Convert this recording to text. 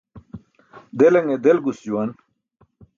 Delaṅe delgus juwan.